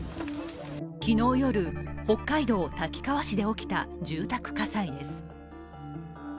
昨日夜、北海道滝川市で起きた住宅火災です。